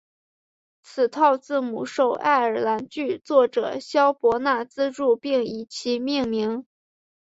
此套字母受爱尔兰剧作家萧伯纳资助并以其命名。